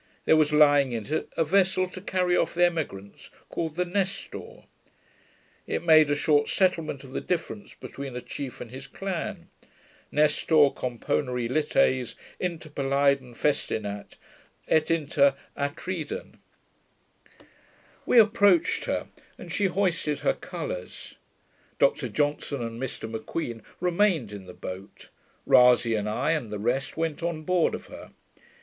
There was lying in it a vessel to carry off the emigrants, called the Nestor. It made a short settlement of the differences between a chief and his clan: ... Nestor componere lites Inter Peleiden festinat & inter Atriden. We approached her, and she hoisted her colours. Dr Johnson and Mr M'Queen remained in the boat: Rasay and I, and the rest went on board of her.